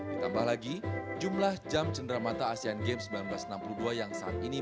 ditambah lagi jumlah jam cenderamata asean games seribu sembilan ratus enam puluh dua yang saat ini